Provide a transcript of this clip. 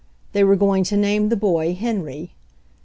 They were going to name the boy Henry.